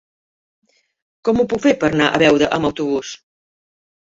Com ho puc fer per anar a Beuda amb autobús?